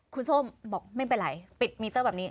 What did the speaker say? คุณส้มบอกไม่เป็นไรปิดมิเตอร์แบบนี้